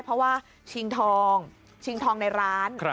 เพราะว่าชิงทองชิงทองในร้าน